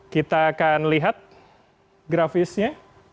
kita akan lihat grafisnya